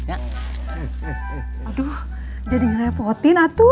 aduh jadi ngerepotin